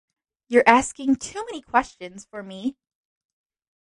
You're asking too many questions for me.